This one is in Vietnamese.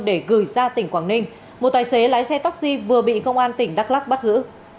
để gửi ra tỉnh quảng ninh một tài xế lái xe taxi vừa bị công an tỉnh đắk lắc bắt giữ